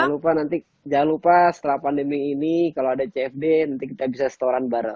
jangan lupa nanti jangan lupa setelah pandemi ini kalau ada cfd nanti kita bisa setoran bareng